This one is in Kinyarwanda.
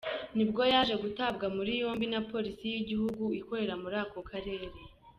Nibwo yaje gutabwa muri yombi na Polisi y’igihugu ikorera muri ako karere.